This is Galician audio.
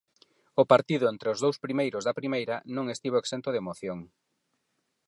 O partido entre os dous primeiros da Primeira non estivo exento de emoción.